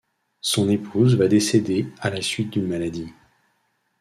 Son épouse va décéder à la suite d'une maladie.